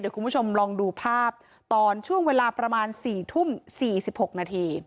คุณผู้ชมลองดูภาพตอนช่วงเวลาประมาณ๔ทุ่ม๔๖นาที